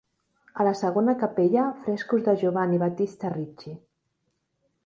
A la segona capella, frescos de Giovanni Battista Ricci.